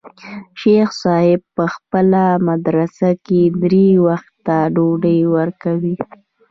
شيخ صاحب په خپله مدرسه کښې درې وخته ډوډۍ وركوي.